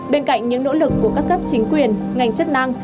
bên cạnh những nỗ lực của các cấp chính quyền ngành chức năng